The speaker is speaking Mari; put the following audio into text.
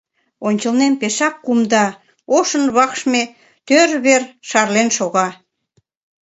Ончылнем пешак кумда, ошын вакшме тӧр вер шарлен возо.